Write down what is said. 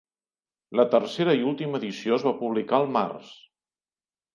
La tercera i última edició es va publicar al març.